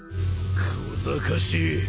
小ざかしい。